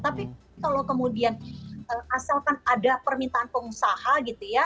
tapi kalau kemudian asalkan ada permintaan pengusaha gitu ya